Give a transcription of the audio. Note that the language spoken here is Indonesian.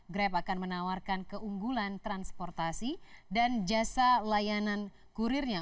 grab akan menawarkan keunggulan transportasi dan jasa layanan kurirnya